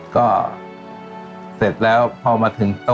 ก็เสร็จแล้วพอมาถึงที่นั้น